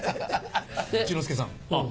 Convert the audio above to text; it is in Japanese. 一之輔さん。